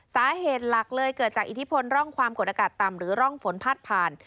สาเหตุหลักเลยเกิดจากอิทธิพลร่องความกดอากาศต่ำหรือร่องฝนพาดผ่าน